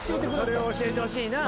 それを教えてほしいな。